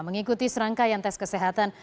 mengikuti serangkaian tes kesehatan